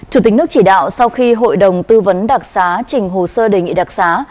chủ tịch nước chỉ đạo sau khi hội đồng tư vấn đặc xá trình hồ sơ đề nghị đặc xá